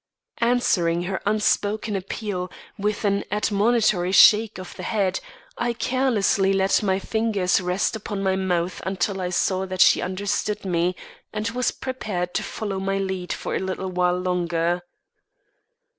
Answering her unspoken appeal with an admonitory shake of the head, I carelessly let my fingers rest upon my mouth until I saw that she understood me and was prepared to follow my lead for a little while longer.